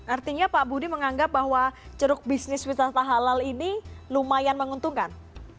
artinya pak budi menganggap bahwa ceruk bisnis wisata halal ini lumayan menguntungkan